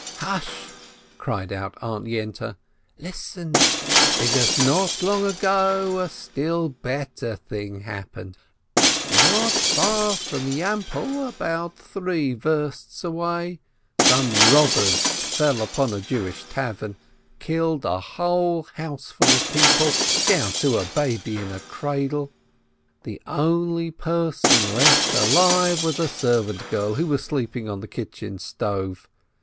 "Hush!" cried out Aunt Yente, "listen, because not long ago a still better thing happened. Not far from Yampele, about three versts away, some robbers fell upon a Jewish tavern, killed a whole houseful of people, down to a baby in a cradle. The only person left alive was a servant girl, who was sleeping on the kitchen stove.